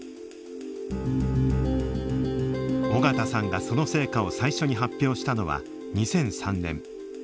尾形さんがその成果を最初に発表したのは２００３年。